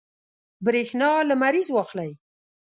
برېښنا لمریز واخلئ.